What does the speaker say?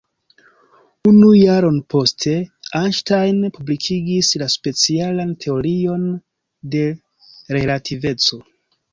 Unu jaron poste Einstein publikigis la specialan teorion de relativeco.